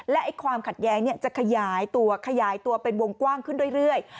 และความขัดแย้งจะขยายตัวขยายตัวเป็นวงกว้างขึ้นเรื่อย